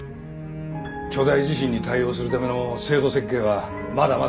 巨大地震に対応するための制度設計はまだまだこれからだ。